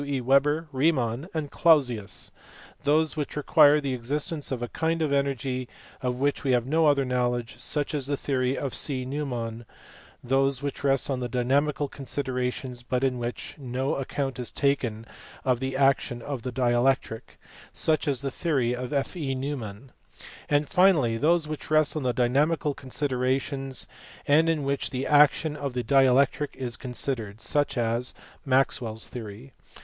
E. Weber, Riemann, and Clausius) ; those which require the existence of a kind of energy of which we have no other knowledge (such as the theory of C. Neumann); those which rest on dynamical considerations but in which no account is taken of the action of the dielectric (such as the theory of F. E. Neumann) ; and finally those which rest on dynamical considerations and in which the action of the dielectric is considered (such as Maxwell s theory).